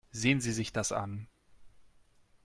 Sehen Sie sich das an.